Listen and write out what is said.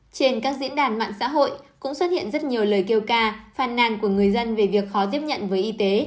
trên các diễn đàn mạng xã hội cũng xuất hiện rất nhiều lời kêu ca phàn nàn của người dân về việc khó tiếp nhận với y tế